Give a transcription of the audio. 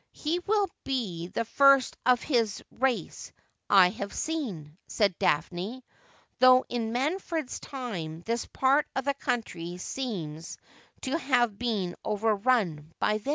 ' He will be the first of his race I have seen,' said Daphne, ' though in Manfred's time this part of the country seems to have been overrun by them.'